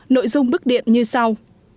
nội dung bức điện như sau